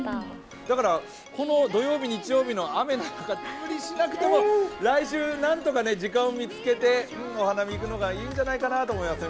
だから、この土曜、日曜の雨の中、無理しなくても来週、何とか時間を見つけてお花見行くのがいいんじゃないかなーと思いますよ。